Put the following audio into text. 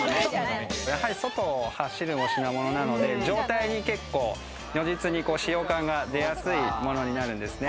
外を走るお品物なので、状態に如実に使用感が出やすいものになるんですね。